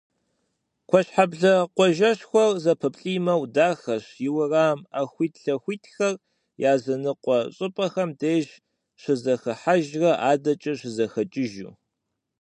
Куэшхьэблэ къуажэшхуэр зэпэплIимэу дахэщ, и уэрам Iэхуитлъэхуитхэр языныкъуэ щIыпIэхэм деж щызэхыхьэжрэ адэкIэ щызэхэкIыжу.